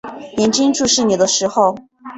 眼睛注视你的时候